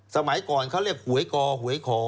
สมัยก่อนเขาเรียกหวยกอหวยคอ